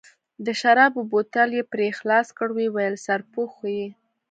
د شرابو بوتل یې پرې خلاص کړ، ویې ویل: سرپوښ خو یې.